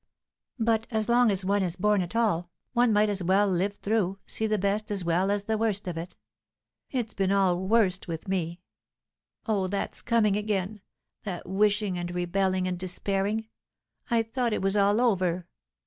But as long as one is born at all, one might as well live life through, see the best as well as the worst of it. It's been all worst with me. Oh, that's coming again! That wishing and rebelling and despairing! I thought it was all over.